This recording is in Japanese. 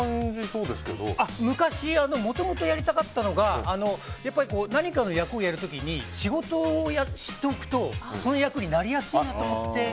昔、もともとやりたかったのが何かの役をやる時に仕事を知っておくとその役になりやすいなと思って。